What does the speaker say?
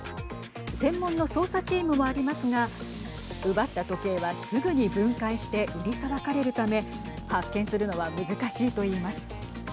専門の捜査チームもありますが奪った時計は、すぐに分解して売りさばかれるため発見するのは難しいといいます。